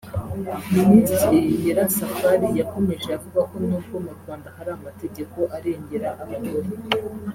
Minisitiri Nyirasafari yakomeje avuga ko nubwo mu Rwanda hari amategeko arengera abagore